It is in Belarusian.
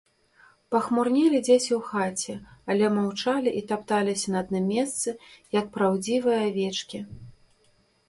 Пахмурнелі дзеці ў хаце, але маўчалі і тапталіся на адным месцы, як праўдзівыя авечкі.